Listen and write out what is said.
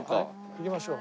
行きましょう。